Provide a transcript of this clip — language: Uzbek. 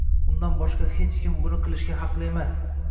Undan boshqa hech kim buni qilishga haqli emas.